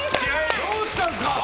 どうしたんですか！笑